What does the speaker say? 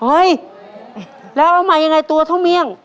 แล้วเอามายังไงตัวเท่าเมี่ยง